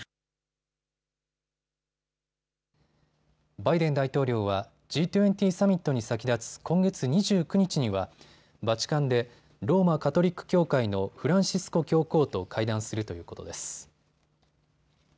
バイデン大統領はＧ２０サミットに先立つ今月２９日にはバチカンでローマ・カトリック教会のフランシスコ教皇と会談するということです。